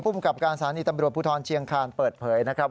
กับการสถานีตำรวจภูทรเชียงคานเปิดเผยนะครับ